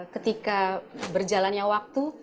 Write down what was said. ketika berjalannya waktu